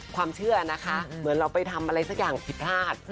ความเชื่อนะคะเหมือนเราไปทำอะไรสักอย่างผิดพลาด